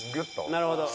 なるほど。